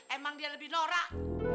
emang dia lebih norak